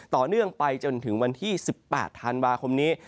ต่อเนื่องไปจนถึงวันที่๑๘ธันวาคมนี้